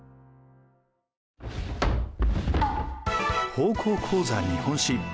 「高校講座日本史」。